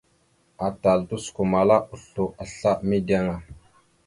Atal tosəkomala oslo asla mideŋ a.